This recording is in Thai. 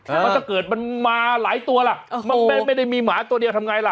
มันจะเกิดมาหลายตัวล่ะไม่ได้มีหมาตัวเดียวทำไงล่ะ